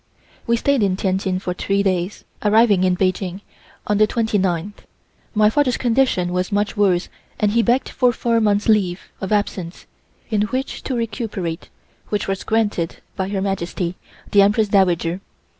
We stayed in Tientsin for three days, arriving in Peking on the twenty ninth. My father's condition was much worse and he begged for four months' leave of absence, in which to recuperate, which was granted by Her Majesty, the Empress Dowager.